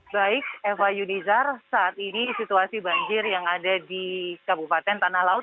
baik eva yunizar saat ini situasi banjir yang ada di kabupaten tanah laut